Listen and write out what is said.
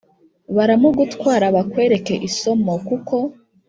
baramugutwara bakwereke isomo kuko